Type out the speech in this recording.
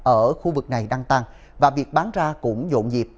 ở khu vực này đang tăng và việc bán ra cũng dộn dịp